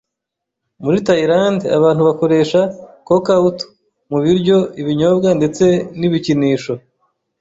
Muri Tayilande, abantu bakoresha cocout mu biryo, ibinyobwa ndetse n ibikinisho.